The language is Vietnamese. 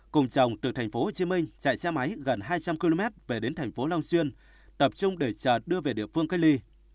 cùng chồng từ tp hcm chạy xe máy gần hai trăm linh km về đến tp long duyên tập trung để trở đưa về địa phương cây ly